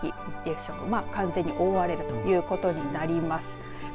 また皆既月食、完全に覆われるということになります。